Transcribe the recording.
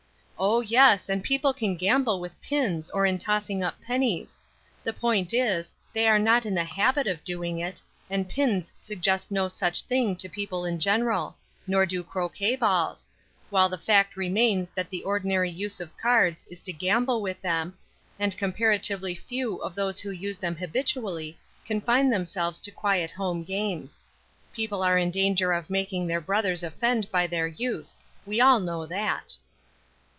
"Oh, yes, and people can gamble with pins, or in tossing up pennies. The point is, they are not in the habit of doing it; and pins suggest no such thing to people in general; neither do croquet balls; while the fact remains that the ordinary use of cards, is to gamble with them; and comparatively few of those who use them habitually confine themselves to quiet home games. People are in danger of making their brothers offend by their use; we all know that."